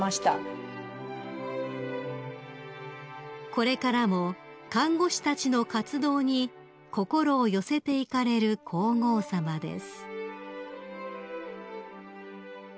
［これからも看護師たちの活動に心を寄せていかれる皇后さまです］